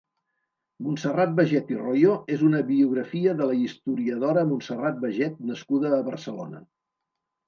Montserrat Bajet i Royo és una biografia de la historiadora Montserrat Bajet nascuda a Barcelona.